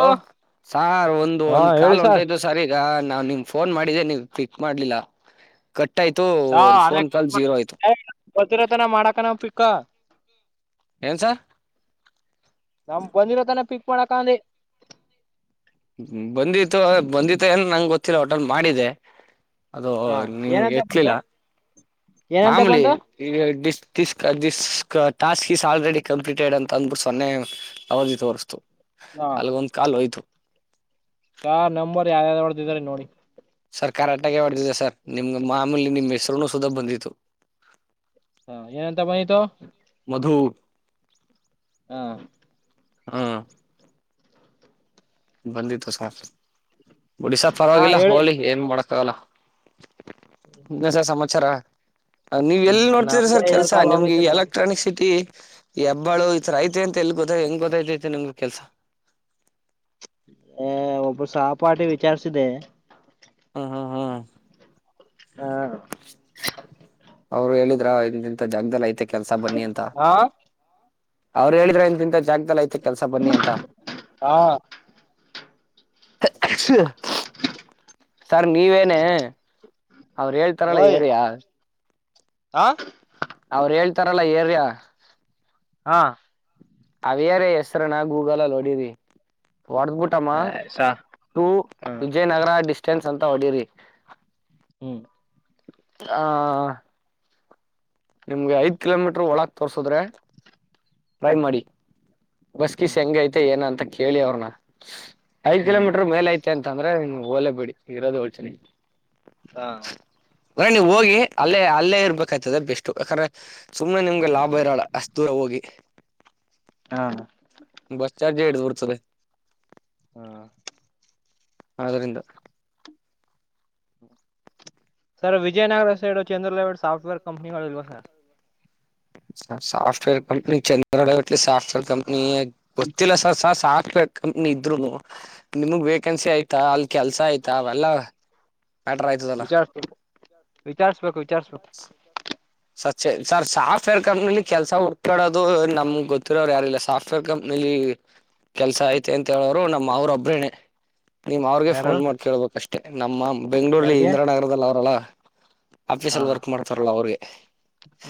Hello sir ಒಂದು ಒಂದ್ ಹೇಳಿ ಕಾಲ್ ಸರ್ ಹೊಂಟಾಯ್ತು ಸರಿ ಈಗ ನಾವ್ ನಿಮ್ ಫೋನ್ ಮಾಡಿದ್ದೆ ನೀವ್ ಪಿಕ್ ಮಾಡ್ಲಿಲ್ಲ ಕಟ್ ಆಯ್ತು ಒಂದು ಫೋನ್ ಕಾಲ್ ಜೀರೋ ಆಯ್ತು ಭತ್ತಿರತನ ಮಾಡಕ ನಾವ ಪಿಕ್ಕಾ ಏನು ಸರ್ ನಮ್ ಬಂದಿರೋ ತನ ಪಿಕ್ ಮಾಡಾಕ ಅಂದ್ರೆ ಬಂದಿತು ಬಂದಿತ ಏನ್ ನಂಗೆ ಗೊತ್ತಿಲ್ಲ ಒಟ್ನಲ್ಲಿ ಮಾಡಿದೆ ಅದು ಹ ನೀವು ಏನಂತ ಎತ್ಲಿಲ್ಲ [inaudible] ಮಾಮೂಲಿ ಬಂತು [unintelligible] ಟಾಸ್ಕ್ ಇಸ್ ಆಲ್ರೆಡಿ ಕಂಪ್ಲೀಟೆಡ್ ಅಂತ ಅಂದ್ಬಿಟ್ಟು ಸೊನ್ನೆ ಅವಧಿ ತೋರಿಸ್ತು ಹ ಅಲ್ಲಿಗೆ ಒಂದ್ ಕಾಲು ಹೋಯ್ತು ಚಾ ನಂಬರ್ ಯಾವ್ದ ಯಾವ್ದ ಒಡ್ದ ಇದ್ರೀ ನೋಡಿ ಸರ್ಕಾರ ಆಟಕ್ಕೆ ಹೊಡೆದಿದೆ ಸರ್ ನಿಮ್ ಮಾಮೂಲಿ ನಿಮ್ ಹೆಸರುನು ಸುದಾ ಬಂದಿತ್ತು ಹಾ ಏನಂತ ಬಂದಿತು ಮಧು ಹಾ ಹ್ಮ ಬಂದಿತ್ತು ಸ ಬಿಡಿ ಸರ್ ಹಾ ಪರವಾಗಿಲ್ಲ ಹೇಳಿ ಹೋಗ್ಲಿ ಏನ್ ಮಾಡಕಾಗಲ್ಲ ಹ್ಮ್ ಇಲ್ ಸರ್ ಸಮಾಚಾರ ನೀವ್ ಎಲ್ಲಿ ನೋಡ್ತಿದ್ರರಿ ನಮ್ದೇ ಸರ್ ಐದಾರು ಕೆಲ್ಸ ಕಾಲ್ ನಿಮ್ಗೆ ಹೋಗೈತೆ ಬಂದು ಎಲೆಕ್ಟ್ರಾನಿಕ್ ಸಿಟಿ ಹೇಬ್ಬಾಳು ಈ ತರ ಐತೆತಿ ಅ ಎಲ್ಲಿ ಗೊದ ಹೆಂಗ ಗೋತ ಐತಿ ನಿಮ್ಗೆ ಕೆಲ್ಸಾ ಅ ಒಬ್ಬರು ಸಹ ಪಾಠಿ ವಿಚಾರಿಸಿದೆ ಹ ಹಾ ಹಾ ಅವರು ಹೇಳಿದ್ರ ಇಂತ ಜಾಗ್ದದಲ್ಲಿ ಐತೆ ಕೆಲ್ಸ ಬನ್ನಿ ಅಂತ ಹಾ ಅವ್ರು ಹೇಳಿದ್ರ ಇ ತಿಂದ ಜಾಗ್ದದಲ್ಲಿ ಐತೆ ಕೆಲ್ಸ ಬನ್ನಿ ಅಂತ ಹಾ ಸರ್ ನೀವೇನೆ ಅವ್ರ ಹೇಳ್ತಾರಲ್ಲ ಓಯ್ ಏರಿಯ ಹಾ ಅವ್ರು ಹೇಳ್ತಾರಲ್ಲ ಏರ್ಯ ಹಾ ಅವ್ಯಾರ ಹೆಸ್ರ ನಾ ಗೂಗಲಲ್ಲಿ ಹೋಡಿದಿ ಹೊಡದ್ಬಿಟ್ಟ ಮ್ಮ ಸ ಟೂ ವಿಜಯನಗರ ಡಿಸ್ಟೆನ್ಸ್ ಅಂತ ಹೊಡರಿ ಹ್ಮ್ ಆ ನಿಮ್ಗೆ ಐದ್ ಕಿಲೋಮೀಟರ್ ಒಳಕ ತೋರ್ಸದ್ರೆ ಟ್ರೈ ಹ್ಮ್ ಮಾಡಿ ಬಸ್ ಗಿಸ್ ಹ್ಮ್ ಹ್ಮ್ ಹೆಂಗ ಐತೆ ಏನ ಅಂತ ಕೇಳಿ ಅವ್ರನ್ನ ಐದ್ ಹ್ಮ್ ಕಿಲೋಮೀಟರ್ ಮೇಲ ಐತೆ ಅಂದ್ರೆ ಹೋಗ್ಲಿ ಬಿಡಿ ಇರೋದು ಹೋಳ್ಸೆ ಹಾ ಅಂದ್ರೆ ನೀ ಹೋಗಿ ಅಲ್ಲೇ ಅಲ್ಲೇ ಇರ್ಬೇಕ್ತದ ಬೆಸ್ಟ್ ಯಾಕಂದ್ರೆ ಸುಮ್ನೆ ನಿಮ್ಗೆ ಲಾಭ ಇರೋಲ್ಲ ಅಷ್ಟ್ ದೂರ ಹೋಗಿ ಹಾ ಬಸ್ ಚಾರ್ಜ್ ಹಿಡದ ಬಿಡುತ್ತದೆ ಹಾ ಆದರಿಂದ ಸರ್ ವಿಜಯನಗರ ಸೈಡು ಚಂದ್ರಲೇವಟ್ ವ ಸಾಫ್ಟ್ ವೇರ್ ಕಂಪನಿಗಳು ಇಲ್ವಾ ಸರ್ ಸಾಫ್ಟವೇರ್ ಕಂಪನಿ ಚಂದ್ರಲೇವಟ್ ಎಲ್ಲಿ ಸಾಫ್ಟವೇರ್ ಕಂಪನಿ ಗೊತ್ತಿಲ್ಲ ಸರ್ ಸ ಸಾಫ್ಟ್ ವೇರ್ ಕಂಪನಿ ಇದ್ರುನು ನಿಮಗ್ ವೇಕೆನ್ಸಿ ಆಯ್ತಾ ಅಲ್ಲಿ ಕೆಲಸ ಆಯ್ತಾ ಅವೆಲ್ಲಾ ಮ್ಯಾಟರ್ ಆಯ್ತದಲ್ಲ ವಿಚಾರ್ಸ್ಬೇಕ್ ವಿಚಾರಸಬೇಕು ವಿಚಾರಸಬೇಕು ಸೆ ಸರ್ ಸಾಫ್ಟ್ ವೇರ್ ಕಂಪನಿಯಲ್ಲಿ ಕೆಲಸ ಹುಡುಕೊಳ್ಳೋದು ನಮಗ್ ಗೊತಿರೋರು ಯಾರಿಲ್ಲ ಸರ್ ಸಫ್ ಪ್ ವೇರ್ ಕಂಪನಿಲ್ಲಿ ಕೆಲಸ ಐತೆ ಅಂತ ಹೇಳೋರು ನಮ್ಮ ಮಾವರೊಬರೇನೆ ನೀವ್ ಅವ್ರಿಗೆ ಯಾರು ಪೋನ್ ಮಾಡಿ ಕೇಳ್ಬೇಕಷ್ಟೇ ನಮ್ಮ ಬೆಂಗಳೂರಲ್ಲಿ ಯಾರಿಗೆ ಇಂದ್ರಾನಗರದಲ್ ಅವ್ರಲ್ಲಾ ಆಫೀಸ್ ಅಲ್ಲಿ ವರ್ಕ್ ಮಾಡ್ತಾರಲ್ಲ ಅವ್ರಿಗೆ.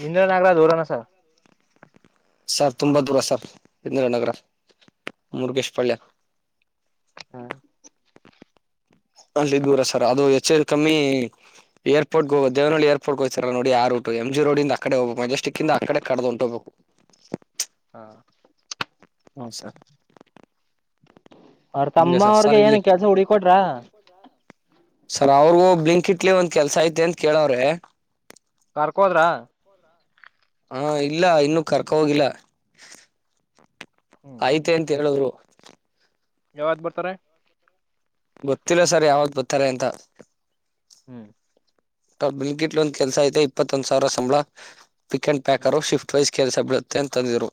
ಇಂದ್ರನಗರ ದೂರನಾ ಸರ್ ಸರ್ ತುಂಬಾ ದೂರ ಸರ್ ಇಂದಿರಾನಗರ ಮುರುಗೇಶ್ ಪಾಳ್ಯ ಹಾ ಅಲ್ಲಿ ದೂರ ಸರ್ ಅದು H M L company airport ಗು ದೇವನಹಳ್ಳಿಗೆ ಏರ್ಪೋಟ್ಗೋಯಿತರಲ್ಲ ನೋಡಿ ಆ ರೂಟ್ ಎಂ ಜಿ ರೋಡಿಂದ ಆಕಡೆ ಒ ಮೆಸ್ಟಿಕಿಂದ ಅಕಡೆ ಕಡ್ದ್ ಹೊಂಟೊಗ್ ಬೇಕ್ [unintelligible] ಹಾ ಸರ್ ಅವ್ರ್ ಹಂಗೆ ತಮ್ಮ ಸರ್ ಸರ್ ಅವ್ರಿಗೆ ಏನು ಇಲ್ಲಿ ಕೆಲಸ ಹುಡುಕಿ ಕೊಟ್ರಾ. ಸರ್ ಅವ್ರಗೂ ಬ್ಲಿಂಕ್ ಇಟ್ಲಿ ಒಂದ್ ಕೆಲಸ ಐತೆ ಅಂತ ಕೇಳವ್ರೆ. ಕರ್ಕೊ ಹೋದ್ರ ಹಾ ಇಲ್ಲ ಇನ್ನೂ ಕರಕೊ ಹೋಗಿಲ್ಲ ಹ್ಮ್ ಆಯ್ತೆ ಅಂತ ಹೇಳಿದ್ರು. ಯಾವಗ್ ಬರ್ತಾರೆ. ಗೊತ್ತಿಲ್ಲ ಸರ್ ಯಾವತ್ ಬತ್ತಾರೆ ಅಂತ ಹ್ಮ್ ಬ್ಲಿಂಕ್ ಇಟ್ ಒಂದು ಕೆಲಸ ಐತೆ ಇಪ್ಪತ್ತೊಂದು ಸಾವಿರ ಸಂಬಳ pick and hmm packer ship ಪ್ಟ್ wise ಕೆಲಸ ಬಿಳುತ್ತೆ ಅಂತಂದಿದ್ರು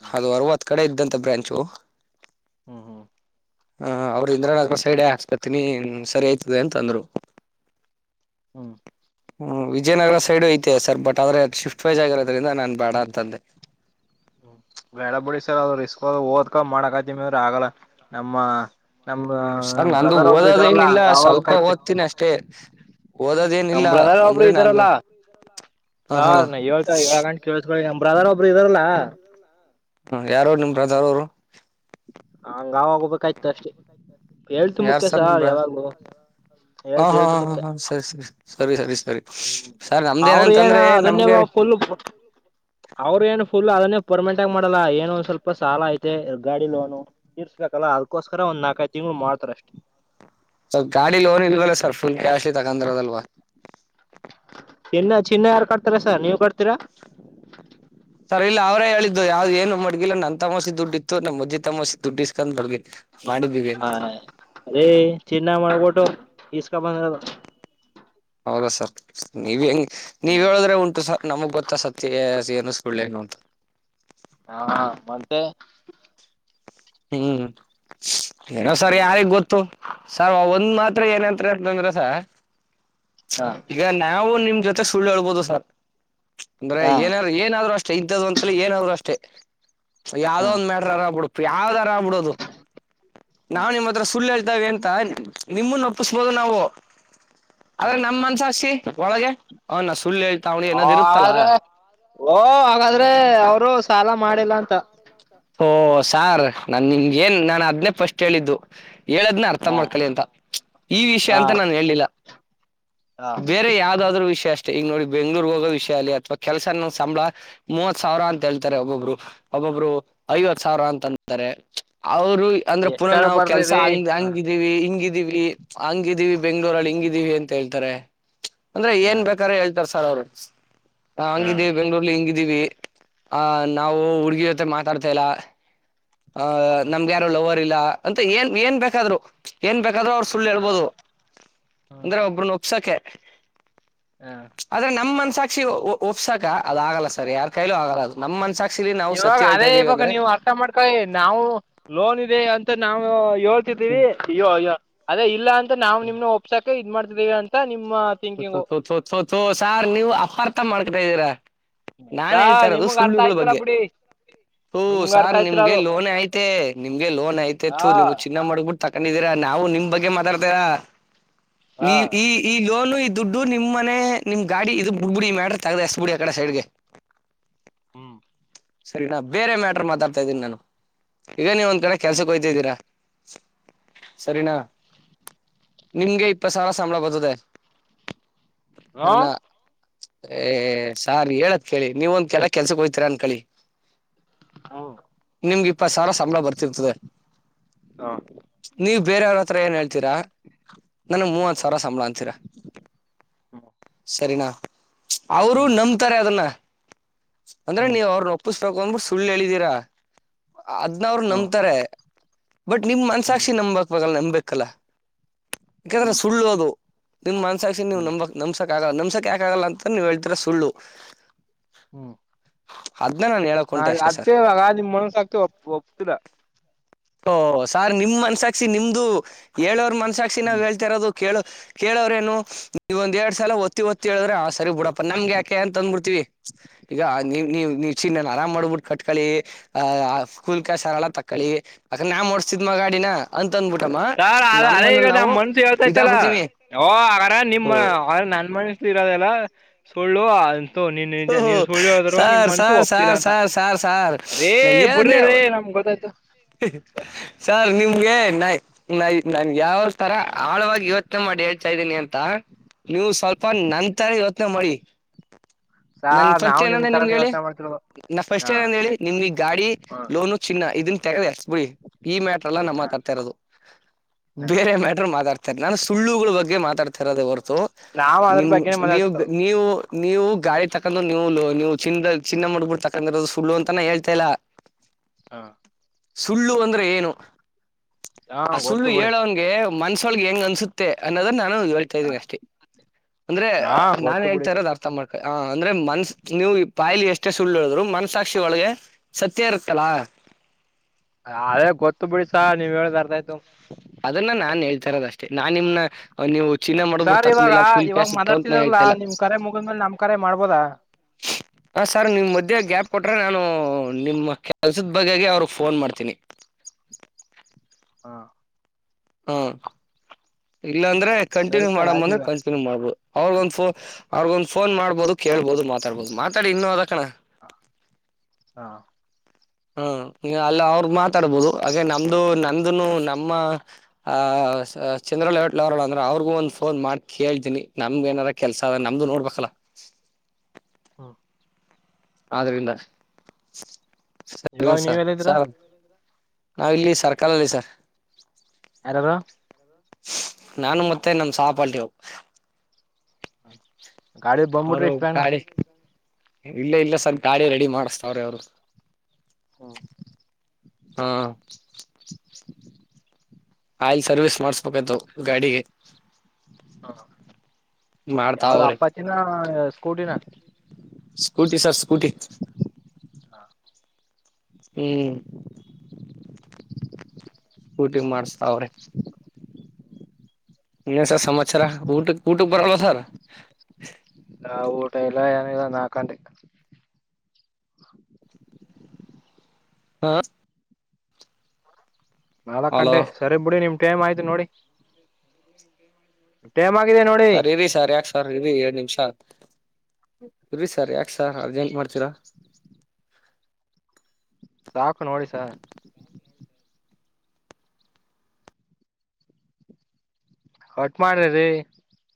ಹ್ಮ್ ಅದು ಅರವತ್ತು ಕಡೆ ಇದ್ದಂತ ಬ್ರಾಂಚು ಹ್ಮ್ ಹ್ಮ್ ಹ ಅವರು ಇಂದ್ರನಗರ ಸೈಡ್ ಹಾಕಸ್ಕೊತಿನಿ ಸರಿ ಆಯ್ತದೆ ಅಂತ ಅಂದ್ರು. ಹ್ಮ್ ಹ್ಮ್ ವಿಜಯನಗರ ಸೈಡು ಐತೆ ಸರ್ ಬಟ್ ಆದ್ರೆ ಶಿಫ್ಟ್ ವೈಜ್ ಆಗರೋದ್ರಿಂದ ನಾನ್ ಬೇಡ ಅಂತಂದೆ. ಬ್ಯಾಡ ಬಿಡಿ ಸರ್ ಅದ್ ರಿಸ್ಕ್ ಓದ್ಕೊಂದ್ ಮಾಡಕತಿಮಿ ಅಂತಂದ್ರ ಆಗಲ್ಲ ನಮ್ಮ ನಮ್ ಹ್ಮ್ ಸರ್ ನಮ್ ನಂದು ಬ್ರದರ್ ಒಬ್ಬರು ಇದಾರಲ್ಲಾ ಹಂಗ ಆಗ್ಬೇಕಾಯ್ತೆ. ಸ್ಟೇ ಓದೊದ್ ಏನ್ ನಮ್ ಬ್ರದರ್ ಒಬ್ರು ಇದ್ದಾರಲ್ಲ ಹ ಹಾ ಸರ್ ಎಳ್ತ್ ಯಾಗಣಿ ಕೇಳಸ್ಕೊಳ್ಳಿ ನಮ್ಮ್ ಬ್ರದರ್ ಒಬ್ರು ಇದಾರಲ್ಲ. ಹ್ಮ್ ಯಾರು ಅವರು ನಿಮ್ ಬ್ರಾದಾರ್ ಅವ್ರು ಹಂಗಗೋಬೇಕಾಯ್ತು ಅಷ್ಟೇ. ಏಳ್ತು ಯಾರ್ ಮುಖ್ಯ ಸರ್ ನಿಮ್ ಸಾರ್ ಬ್ರದರ್ ಯಾವಾಗು ಹೇಳ್ತ ಏಳ್ತು ಮುಖ್ಯ. ಹ ಸ್ ಸ್ ಸರಿ ಸರಿ ಸರಿ ಸರ್ ಅವರು ಏನ್ ನಮ್ದೇನಂತಂದ್ರೆ ಅದೇನೇ ನಮ್ಗೆ ಪೂಲ್- ಅವರು ಏನು ಪುಲ್ ಅದನ್ನೇ ಪರ್ಮೆಂಟ್ ಆಗಿ ಮಾಡೋಲ್ಲ ಏನೋ ಒಂದ್ ಸ್ವಲ್ಪ ಸಾಲ ಐತೆ ಗಾಡಿ ಲೋನು. ತಿರರ್ಸ್ಬೇಕಲ್ಲಾ ಅದಕೋಸ್ಕರ ಒಂದು ನಾಲ್ಕೈದು ತಿಂಗಳು ಮಾಡ್ತರೆ ಅಷ್ಟೇ. ಸ್ ಗಾಡಿ ಲೋನ್ ಇಲ್ವಲ್ಲ ಸರ್ ಪುಲ್ ಕ್ಯಾಶ್ ತಗೊಂಡ್ರಿರೋದ್ ಅದಲ್ವಾ. ಚಿನ್ನ ಚಿನ್ನ ಯಾರು ಕಡ್ತಾರಾ ಸರ್ ನೀವ್ ಕಡ್ತೀರಾ. ಸರ್ ಇಲ್ಲ ಅವ್ರೇ ಹೇಳಿದ್ದು ಯಾವ್ದ ಏನು ಮಡ್ಗಿಲ್ಲ ನನ್ನ ತಸಿ ದುಡ್ಡಿತ್ತು ನಮ್ಮಜ್ಜ ತಸಿ ದುಡ್ಡ ಇಸ್ಕೊಂಡ್ ಮಡ್ಗಿ ಮಾಡಿದ್ದೀವಿ ಹಾ ಅಂತ ಅ ಚಿನ್ನ ಮಾಡಬಿಟ್ಟು ಇಸ್ಕ ಬಂದಿರೋದ ಹೌದಾ ಸರ್ ನೀವ ಹೆಂಗ ನೀವ್ ಹೇಳಿದ್ರೆ ಉಂಟು ಸರ್ ನಮಗ್ ಗೊತ್ತಾ ಸತ್ಯ ಏನಿಸ್ಕೊಳ್ ನು ಅಂತ ಹಾ ಮತ್ತೆ ಹ್ಮ್ ಏನೋ ಸರಿ ಯಾರಿಗೆ ಗೊತ್ತು ಸರ್ ಒಂದ್ ಮಾತ್ರ ಏನಂತಂದ್ರಸ ಹಾ ನ್ಯಾವು ನಿಮ್ ಜೊತೆ ಸುಳ್ಳು ಹೇಳ್ಬಹುದು ಸರ್ [inaudible] ಅಂದ್ರೆ ಹಾ ಏನ ಏನಾದ್ರು ಅಷ್ಟೇ ಇದ್ದ್ದ ಅಂತ ಏನಾದ್ರು ಅಷ್ಟೇ ಯಾವ್ದೋ ಹಾ ಒಂದ ಮ್ಯಾಟ್ರರ್ ಅರಬ ಬಿಡ್ ಯಾವ್ದರ ಆಗ್ಬ ಬಿಡೋದು. ನಾವ್ ಹ್ಮ್ ನಿಮ್ಮ ಹತ್ರ ಸುಳ್ಳು ಹೇಳ್ತಾವ ಅಂತ ನಿಮ್ಮನ್ನ ಒಪ್ಪಿಸ್ಬೋದು ನಾವು. ಆದ್ರೆ ಹ್ಮ್ ನಮ್ ಮನ್ಸ ಹಸಿ ಒಳಗೆ ಹ ನಾವ ಸುಳ್ಳು ಹೇಳ್ತಾ ಅವಿನಿ ಏನದ್ ಇರುತ್ತಲ್ಲ. ಹಾಗಾದ್ರೆ ಓ ಹಾಗಾದ್ರೆ ಅವರು ಸಾಲ ಮಾಡಿಲ್ಲ ಅಂತ. ಓ ಸಾರ್ ನಾನು ನಿಂಗೆ ಏನ್ ನಾನು ಅದ್ನೇ ಫಸ್ಟ ಹೇಳಿದ್ದು. ಹೇಳದ್ನ ಅರ್ಥ ಹಾ ಮಾಡ್ಕಳ ಅಂತ ಈ ವಿಷಯ ಹಾ ಅಂತ ನಾನ ಹೇಳಲಿಲ್ಲ. ಹಾ ಬೇರೆ ಯಾವ್ದಾದ ವಿಷಯ ಅಷ್ಟೇ ಈಗ ನೋಡಿ ಬೆಂಗಳೂರ್ಗ ಹೋಗೋ ವಿಷಯ ಅಲ್ಲಿ ಅಥವಾ ಕೆಲ್ಸನ್ನ ಸಂಬಳ ಮೂವತ್ ಸಾವಿರ ಅಂತ ಹೇಳ್ತಾರೆ ಒಬ್ಬೊಬ್ರು ಒಬ್ಬೊಬ್ರು. ಐವತ್ತು ಸಾವಿರ ಅಂತ ಅಂತಾರೆ ಅವರು ಅಂದ್ರೆ ಪುರ ಎಷ್ಟಾರ ನಾವು ಬರ್ರಿ ಕೆಲ್ಸ ರೀ ಹಂಗ್ ಹ ಹಂಗಿದ ಇಲ್ಲಿ ಹಿಂಗಿದೀವಿ ಹಂಗಿದೀವಿ ಬೆಂಗ್ಳೂರಲ್ಲಿ ಹಿಂಗಿದೀವಿ ಅಂತ ಹೇಳ್ತಾರೆ ಅಂದ್ರೆ ಹಾ ಏನ್ ಬೇಕಾರ ಹೇಳ್ತಾರ ಸರ್ ಅವ್ರು. ಹಾ ಹಂಗಿದ್ದೀವಿ ಬೆಂಗ್ಗಳೂರ್ಲಿ ಹಿಂಗಿದ್ದೀವಿ ಆ ನಾವು ಹುಡ್ಗಿರ ಹತ್ರ ಮಾತಾಡ್ತಾ ಇಲ್ಲ ಆ ಹ ಹ ನಮ್ಗೆ ಯಾರೋ ಲವರ್ ಇಲ್ಲ ಅಂತ ಏನ್ ಏನ್ ಬೇಕಾದ್ರು ಏನ್ ಬೇಕಾದ್ರು ಅವ್ರು ಸುಮ್ಮನೆ ಸುಳ್ಳು ಹೇಳ್ಬೋದು [inaudible] ಅಂದ್ರೆ ಒಬ್ರನ್ನ ಒಪ್ಸಕೆ. [unintelligible] ಆದ್ರೆ ನಮ್ ಮನಸಾಕ್ಷಿ ಒಪ್ ಒಪ್ಸಾಕ ಅದ ಆಗಲ್ಲ ಸರ್ ಯಾರ ಕೈಲೂ ಆಗಲ್ಲ ಅದು. ನಮ್ಮ ಮನಸಾಕ್ಷಿಲಿ ನಾವು ಇವಾಗ ಸತ್ಯ ಹೇಳ್ತಾ ಅದೇ ಇವಾಗ ಇದೀವಿಂದ್ರೆ? ನೀವು ಅರ್ಥ ಮಾಡ್ಕೊಳ್ಳಿ ನಾವು ಲೋನ್ ಇದೆ ಅಂತ ನಾವು ಹೋಳ್ತಿದ್ದೀವಿ. ಅಯ್ಯೋ ಅಯ್ಯೋ ಅದೇ ಇಲ್ಲ ಅಂತ ನಾವು ನಿಮ್ನ ಒಪ್ಸಾಕ ಇದ್ ಮಾಡ್ತಿದೀವಿ ಅಂತ ನಿಮ್ಮ ಥಿಂಕಿಂಗು ತೊ ತೊ ತೊ ಸಾರ್ ನೀವ್ ಅಪಾರ್ಥ ಮಾಡ್ಕತಾ ಇದ್ದೀರಾ. ನಾನ್ ಆಯ್ತಾ ಹೇಳ್ತಾ ಇರೋದು ನಿಮ್ಗ್ ಅರ್ಥ ಸುಳ್ಳುಗಳ ಆಯ್ತಿಲ್ಲ ಬಗ್ಗೆ. ಬಿಡಿ ಹೋ ನಿಮ್ಗ್ ಅರ್ಥ ಸಾರ್ ಆಯ್ತಿಲ್ಲ ನಿಮ್ಗೆ ಅದು ಲೋನ್ ಐತೆ ನಿಮ್ಗೆ ಲೋನ್ ಐತೆ ತೂ ಹಾ ನಿಮಗೆ ಚಿನ್ನ ಮಾಡಗಬಿಟ್ಟು. ತಕೊಂಡಿದೀರಾ ನಾವು ನಿಮ್ ಬಗ್ಗೆ ಮಾತಾಡ್ತರ [inaudible] ಈ. ಹಾ ಈ. ಈ ಲೋನು ಈ ದುಡ್ಡು ನಿಮ್ಮ ಮನೆ ನಿಮ್ಮ ಗಾಡಿ ಇದು ಬಿಡ್ಬ ಬಿಡಿ ಮ್ಯಾಟ್ರರ್ ತಗದೆ ಎಸ್ ಬಿಡಿ ಆ ಕಡೆ ಸೈಡ್ಗೆ. ಹ್ಮ್ ಸರಿನಾ ಬೇರೆ ಮ್ಯಾಟ್ರರ್ ಮಾತಾಡ್ತಾ ಇದ್ದೀನಿ ನಾನು ಈಗ ನೀ ಒಂದ್ ಕಡೆ ಹ್ಮ್ ಕೆಲ್ಸಕ ಹೋಗತಿದ್ದೀರಾ? [inaudible] ಸರಿನಾ ನಿಮ್ಗೆ ಇಪ್ಪತ ಸಾವಿರ ಸಂಬಳ ಬರ್ತದೆ. ಹಾ ಸರಿನಾ [inaudible] ಏ ಸಾರ್ ಹೇಳತ್ ಕೇಳಿ ನೀವ ಒಂದ ಕೆಲ ಕೆಲ್ಸಕ್ ಹೋತೀರಾ ಅನ್ಕಳಿ ಹೌ ನಿಮ್ಗೆ ಇಪ್ಪತ ಸಾವಿರ ಸಂಬಳ ಬರ್ತಿರ್ತದೆ. [inaudible] ನೀವ ಬೇರೆಯವ್ರ ಹತ್ರ ಏನ್ ಹೇಳ್ತೀರಾ? ನನ್ಗ ಮೂವತ ಸಾವರ ಸಂಬಳ ಅಂತೀರಾ.. ಹ್ಮ್ [inaudible] ಸರಿನಾ? ಅವರು ಹ್ಮ್ ನಂಬ್ತಾರೆ ಅದನ್ನ [inaudible] ಅಂದ್ರೆ ಹ್ಮ್ ನೀವ್ ಅವ್ರನ ಓ [unintelligible] ಸುಳ್ಳು ಹೇಳಿದೀರಾ ಅದ್ನ ಅವ್ರು ಹ್ಮ್ ನಂಬತಾರೆ. ಬಟ್ ನಿಮ್ ಹ್ಮ್ ಮನ್ಸಾಕ್ಷಿ ನಂಬಕ ನಂಬಬೇಕಲ್ಲ [inaudible] ಯಾಕಂದ್ರೆ ಹ್ಮ್ ಸುಳ್ಳು ಅದು. ನಿಮ್ ಮನಸಾಕ್ಷಿ ನೀವು ಹ್ಮ್ ನಂಬ ನಂಬಸಕ್ ಆಗಲ್ಲ ನಂಬಸಕ್ ಯಾಕ ಆಗಲ್ಲ ಅಂತ ನೀವ ಹೇಳ್ತರದ್ ಸುಳ್ಳು ಹ್ಮ್ ಅದನ ನಾ ಹೇಳ ಹಾಗ ಅದಕ್ಕೆ ಈವಾಗ ನಿಮ್ಮ ಮನ್ಸ ಸಾಕ್ಷಿ ಒಪ ಒಪ್ಪುತ್ತಿಲ್ಲ ಓಹ ಸಾರ್ ನಿಮ್ ಮನ್ಸಾಕ್ಷಿ ನಿಮ್ದು ಹೇಳೋರ ಮನ್ಸಾಕ್ಷಿ ನಾವ್ ಹ್ಮ್ ಹೇಳ್ತಾರಿದು ಕೇಳ ಕೇಳೋರೇನು ಈಗ್ ಒಂದ ಎರಡು ಸಲ ಒ ಹೊತ್ತಿ ಹೊತ್ತಿ ಹೇಳಿದ್ರ ಆ ಸರಿ ಬಿಡಪ್ಪ ನಮಗ ಯಾಕೆ ಅಂತ ಅಂದ ಬುಡ್ತೀವಿ ಈಗ ನೀವ್ ನೀವ್ ನೀವ್ ಚಿನ್ನ್ ನಾರಾ ಮಡಗಬುಟ್ಟ ಕಟ್ಕಳಿ ಅ ಸ್ಕೂಲ್ ಕಸಾನೆಲ್ಲ ತಕ್ಕಳಿ ಅಕಂದ ನಾನ ಒಡ್ಸ್ತಿದ್ ಮಗಾ ಗಾಡಿನ ಅಂತ ಅಂದ್ಬಿಟ್ಟಮ್ಮ ಸರ್ ಅದ ಅದೇ ನಮ್ಮನ್ನ ಈಗ ನಾವು ನಮ್ಮ್ ಮನ್ಸು ಹೇಳ್ತೈತಲ್ಲ ಇದಾಗ್ಬಿಡ್ತೀವಿ ಓ ಆಗಾರ ಓ ನಿಮ್ಮ ನನ್ ಮನ್ ಇರದೆಲ್ಲ ಸೊಳ್ಳು ನೀನ್ ನಿಜ ನೀನ್ ಸುಳಿದ್ ಹೇಳದ್ರು ನಿಮ್ ಸಾರ್ ಮನ್ಸು ಸಾರ್ ಒಪ್ತಿಲ್ಲ ಸಾರ್ ಅಂತ ಸಾರ್ ಸಾರ್ ಸಾರ್ ರೀ ನಾ ಬುಡ್ರಿ ಹೇಳದ್ನೇ ರೀ ನಮ್ಗ್ ಗೊತ್ತಾಯ್ತು ಸರ್ ನಿಮ್ಗೆ ನಾಯ್ ನಾ ನಾನ್ನ್ ಯಾವ ತರ ಆಳವಾಗಿ ಯೋಚನೆ ಮಾಡಿ ಹೇಳ್ತಾ ಇದ್ದೀನಿ ಅಂತ ನೀವು ಸ್ವಲ್ಪ ನಂತರ ಯೋಚ್ನೆ ಮಾಡಿ ನಾನ್ ಸಾರ್ ಫಸ್ಟ್ ನಾವ್ ನಿಮ್ ಏನಂದೆ ನಿಮ್ಗ ತರಾನೇ ಹೇಳಿ ಯೋಚನೆ ಮಾಡ್ತಿರೋದು ನಾ ಫಸ್ಟ್ ಹಾ ಏನಂದೆ ಹೇಳಿ ನಿಮ್ಗ ಗಾಡಿ ಹಾ ಲೋನು ಚಿನ್ನ ಇದನ್ ಬುಡಿ ಈ ಮ್ಯಾಟ್ರ ಅಲ್ಲ ನಾವ್ ಹಾ ಮಾತಾಡ್ತಾ ಇರೋದು ಹಾ ಬೇರೆ ಮ್ಯಾಟರ್ ಮಾತಾಡ್ತಾರೆ ನಾನು ಸುಳ್ಳುಗಳ ಬಗ್ಗೆ ಮಾತಾಡತಾ ಇರದೆ ಹೊರತು ನಾವ್ ಅದ್ರ ನಿಮ ಬಗ್ಗೆನೆ ನೀವು ಮಾತಾಡ್ತಿರೋದು ನೀವು ನೀವು ಗಾಡಿ ತಕೊಂಡ ನೀವು ನೀವು ಚಿನ್ನ ಚಿನ್ನ ಮಡಗಬುಟ್ಟ ತಕೊಂಡಿರದು ಸುಳ್ಳು ಅಂತ ನಾ ಹೇಳ್ತಾ ಇಲ್ಲಾ ಹಾ ಸುಳ್ಳು ಅಂದ್ರೆ ಏನು ಹಾ ಆ ಸುಳ್ಳು ಗೊತ್ತು ಬಿಡಿ ಹೇಳೋನ್ಗೆ ಮನ್ಸ ಒಳಗ ಹೆಂಗ ಅನ್ಸುತ್ತೆ ಅನ್ನೋದನ್ನ ನಾನು ಅಷ್ಟೇ ಅಂದ್ರೆ ಹಾ ನಾನ್ ಗೊತ್ತು ಬಿಡಿ ಹೇಳ್ತಾ ಸರ್ ಇರೋದು ಅರ್ಥ ಮಾಡ ಅಂದ್ರೆ ಮನ್ಸ್ ನೀವು ಬಾಯಿಲಿ ಎಷ್ಟೇ ಸುಳ್ಳು ಹೇಳಿದ್ರು ಮನ್ಸಾಕ್ಷಿ ಒಳಗೆ ಸತ್ಯ ಇರುತ್ತಲಾ ಅದೇ ಗೊತ್ತು ಬಿಡಿ ಸಾರ್ ನೀವ್ ಹೇಳದ್ ಅರ್ಥ ಆಯ್ತು ಅದನ್ನ ನಾನ್ ಹೇಳ್ತಾ ಇರೋದ ಅಷ್ಟೇ ನಾನ್ ನಿಮ್ನ ನೀವು ಚಿನ್ನ ಮಡಗಬುಟ್ಟ ಸರ್ ಇವಾಗ ತಕಂದಿಲ್ಲಾ ಫುಲ್ ಇವಾಗ ಕ್ಯಾಸ್ ಇತ್ತು ಅಂತನಾ ಮಾತಾಡ್ತಿದಾರಲ್ಲಾ ಹೇಳ್ತಾಯಿಲ್ಲ ನಿಮ್ ಕರೆ ಮುಗಿದ್ಮೇಲೆ ನಮ್ ಕರೆ ಮಾಡ್ಬೋದಾ [inaudible] ಹ ಸರ್ ನೀವ್ ಮಧ್ಯೆ ಗ್ಯಾಪ್ ಕೊಟ್ರೆ ನಾನು ನಿಮ್ಮ ಕೆಲ್ಸದ ಬಗೆಗೆ ಅವ್ರಿಗ ಫೋನ್ ಮಾಡ್ತೀನಿ ಹಾ ಹಾ ಇಲ್ಲಾಂದ್ರೆ ಸರಿ ಕಂಟಿನ್ಯೂ ಸರ್ ಆಯ್ತು ಮಾಡಮ್ಮಂದ್ರೆ ಈಗ ಕಂಟಿ ಮಾಡ್ಬಹುದು ಅವ್ರಗ ಒಂದ್ ಫೋನ್ ಅವ್ರಿಗೊಂದ ಫೋನ್ ಮಾಡ್ಬಹುದು ಕೇಳಬೋದು ಮಾತಾಡ್ಬಹುದು ಮಾತಾಡಿ ಇನ್ನು ಅದಕಣ ಹ ಹಾ ಹ್ ಅಲ್ಲ ಅವ್ರ ಮಾತಾಡ್ಬೋದು ಹಾಗೆ ನಮ್ದು ನಂದುನು ನಮ್ಮ ಆ ಚಂದ್ರ ಲೇಔಟ್ಲ್ ಅವರಲ್ಲಾ ಅಂದ್ರ ಅವರಿಗು ಒಂದ ಫೋನ್ ಮಾಡಿ ಕೇಳ್ತಿನಿ ನಮ್ಗ ಏನಾರ ಕೆಲಸ ಅದ ನಮ್ಮದು ನೋಡ್ಬೇಕಲ್ಲ ಹಾ ಆದ್ರಿಂದ ಇವಾಗ ನೀವ್ ಎಲ್ಲಿದ್ದೀರಾ [unintelligible] ನಾವ್ ಇಲ್ಲಿ ಸರ್ಕಲ್ಲಲ್ಲಿ ಸರ್ ಯಾರಾರು ನಾನು ಮತ್ತೆ ನಮ ಸಹಪಾಟ್ಟಿ [unintelligible] ಗಾಡಿ ಬಂದ್ಬಿಟ್ರಿ ಅವರು ಇಷ್ಟ ಬೇಣ ಗಾಡಿ ಇಲ್ಲ ಇಲ್ಲ ಸರ್ ಗಾಡಿ ರಡಿ ಮಾಡಸ್ತಾವ್ರೆ ಅವರು ಹ್ಮ ಹ್ಮ್. ಆಯಿಲ್ ಸರ್ವಿಸ್ ಮಾಡ್ಸ್ಬೇಕಾಯತು ಗಾಡಿಗೆ. ಹಾ ಮಾಡ್ತಾ ಯಾವ್ದ ಅವ್ರೆ ಅಪ್ಪಚಿನ ಸ್ಕೂಟಿನ. ಸ್ಕೂಟಿ ಸರ್ ಸ್ಕೂಟಿ ಹ್ಮ್. ಸ್ಕೂಟಿ ಮಾಡಸ್ತಾವರೆ. ಇನ್ನ ಏನ್ ಸರ್ ಸಮಚಾರ ಊಟಕ ಊಟಕ ಬರಾಗಲ್ಲ ಸರ್. ಯಾವ್ ಊಟ ಇಲ್ಲ ಏನಿಲ್ಲ ನಾಲ್ಕಂಟೆ. ಹಾ. ನಾಲ್ಕ್ ಹಲೋ ಗಂಟೆ ಸರಿ ಬಿಡಿ ನಿಮ್ ಟೈಮ್ ಆಯ್ತು ನೋಡಿ. [inaudible] ಟೈಮ್ ಆಗಿದೆ ನೋಡಿ. ಸರ್ ಇರಿ ಸರ್ ಯಾಕ ಸರ್ ಇರಿ ಎರಡ್ ನಿಮಷ ಇರಿ ಸರ್ ಯಾಕ ಸರ್ ಅರ್ಜೆಂಟ್ ಮಾಡ್ತೀರಾ. ಸಾಕು ನೋಡಿ ಸರ. ಕಟ್ ಮಾಡ್ರಿ ರೀ.